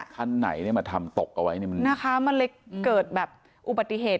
คันไหนเนี่ยมาทำตกเอาไว้เนี่ยมันนะคะมันเลยเกิดแบบอุบัติเหตุ